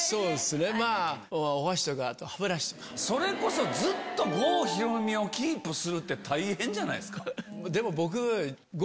それこそずっと郷ひろみをキープするって大変じゃないですか。